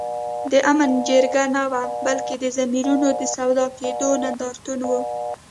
د آمن جرګه نه وه بلکي د ضمیرونو د سودا کېدو نندارتون وو